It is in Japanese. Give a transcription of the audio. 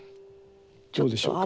どうでしょうか。